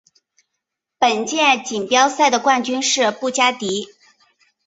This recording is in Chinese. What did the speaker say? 本届锦标赛的冠军是布加迪。